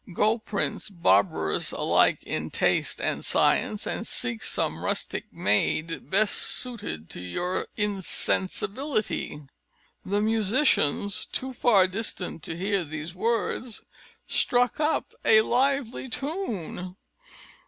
Go, prince, barbarous alike in taste and science, seek some rustic maid, best suited to your insensibility." The musicians, too far distant to hear these words, struck up a lively tune.